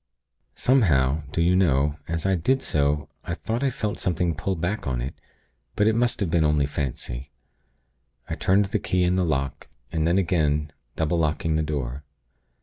Somehow, do you know, as I did so, I thought I felt something pull back on it; but it must have been only fancy. I turned the key in the lock, and then again, double locking the door.